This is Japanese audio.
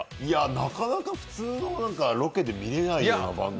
なかなか普通のロケで見れないような番組。